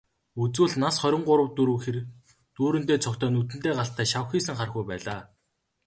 Үзвэл, нас хорин гурав дөрөв хэр, нүүрэндээ цогтой, нүдэндээ галтай, шавхийсэн хархүү байлаа.